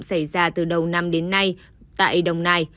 xảy ra từ đầu năm đến nay tại đồng nai